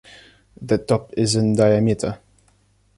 The top is in diameter.